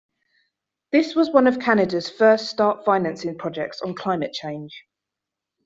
This was one of Canada's fast-start financing projects on climate change.